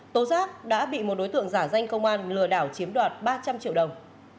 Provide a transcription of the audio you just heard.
tố giác đã bị một đối tượng giả danh công an lừa đảo chiếm đoạt ba trăm linh triệu đồng